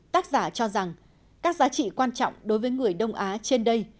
tác giả cho rằng các giá trị quan trọng đối với người đông á trên đây